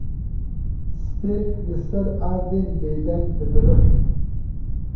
Stêrk li ser erdên bêdeng dibiriqîn.